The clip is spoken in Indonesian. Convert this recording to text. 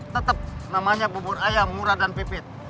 tetap namanya bubur ayam murah dan pipit